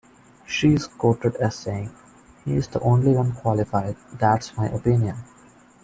She is quoted as saying, He's the only one qualified-that's my opinion.